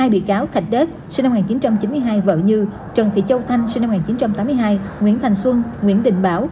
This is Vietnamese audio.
hai bị cáo thạch tết sinh năm một nghìn chín trăm chín mươi hai vợ như trần thị châu thanh sinh năm một nghìn chín trăm tám mươi hai nguyễn thành xuân nguyễn đình bảo